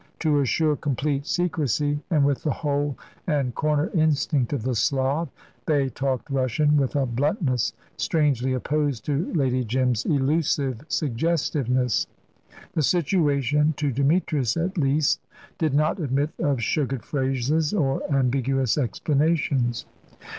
To assure complete secrecy, and with the hole and corner instinct of the Slav, they talked Russian with a bluntness strangely opposed to Lady Jim's elusive suggestiveness. The situation to Demetrius, at least did not admit of sugared phrases or ambiguous explanations.